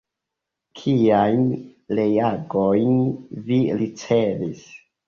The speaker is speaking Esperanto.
Kiajn reagojn vi ricevis?